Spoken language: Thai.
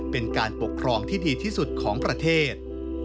เป็นการปกครองที่ดีที่สุดของประเทศ